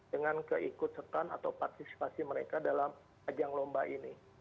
dengan keikut setan atau partisipasi mereka dalam ajang lomba ini